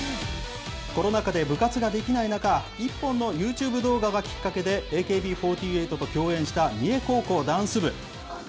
コロナ禍で部活ができない中、一本のユーチューブ動画がきっかけでＡＫＢ４８と共演した三重高校ダンス部。